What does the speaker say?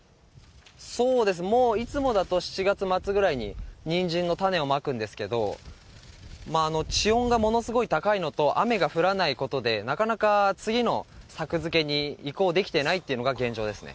もういつもだと、７月末ぐらいにニンジンの種をまくんですけど、地温がものすごい高いのと、雨が降らないことで、なかなか次の作付けに移行できていないというのが現状ですね。